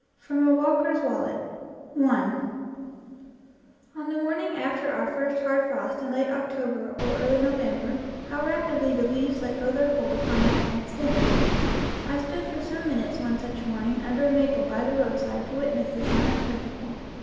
FROM A WALKER'S WALLET On the morning after our first hard frost in late October or early November how rapidly the leaves let go their hold upon their parent stems! I stood for some minutes one such morning under a maple by the roadside to witness the silent spectacle.